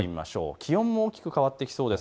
気温も大きく変わってきそうです。